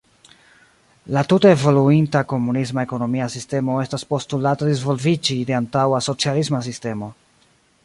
La tute evoluinta komunisma ekonomia sistemo estas postulata disvolviĝi de antaŭa socialisma sistemo.